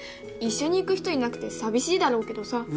一緒に行く人いなくて寂しいだろうけどさ。